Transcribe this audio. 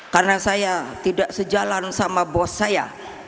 karena saya tidak sejalan sama bos saya